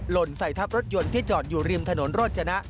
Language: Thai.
ล่นใส่ทับรถยนต์ที่จอดอยู่ริมถนนโรจนะ